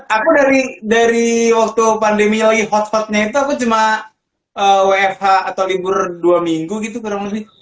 aku dari waktu pandemi lagi hotspotnya itu aku cuma wfh atau libur dua minggu gitu kurang lebih